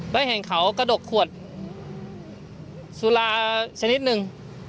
ได้เห็นเขากระดกขวดสุราชนิดหนึ่ง